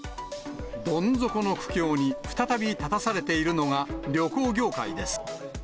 どん底の苦境に再び立たされているのが旅行業界です。